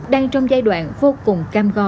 đang trong giai đoạn vô cùng cam go